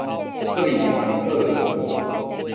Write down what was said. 不離三寶